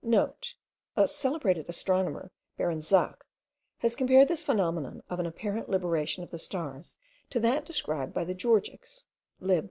(* A celebrated astronomer, Baron Zach, has compared this phenomenon of an apparent libration of the stars to that described in the Georgics (lib.